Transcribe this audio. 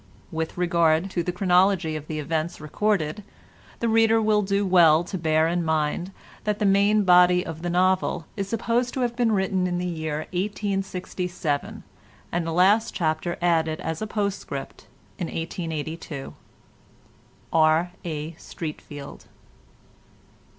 With regard to the chronology of the events recorded, the reader will do well to bear in mind that the main body of the novel is supposed to have been written in the year 1867, and the last chapter added as a postscript in 1882. R. A. STREATFEILD.